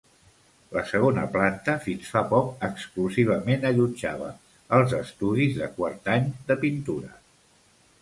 La segona planta fins fa poc exclusivament allotjava els estudis de quart any de pintura.